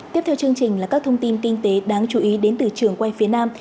tiếp theo chương trình là các thông tin kinh tế đáng chú ý đến từ trường quay phía nam